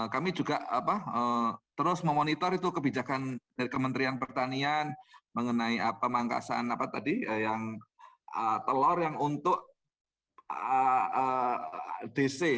kami juga terus memonitor itu kebijakan dari kementerian pertanian mengenai pemangkasan telur yang untuk dc